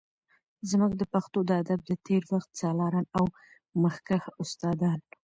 زمونږ د پښتو د ادب د تیر وخت سالاران او مخکښ استادان